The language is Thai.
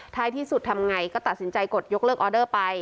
ท้ายที่สุดทำไงก็ตัดสินใจกดยกเลิกออเดอร์ไป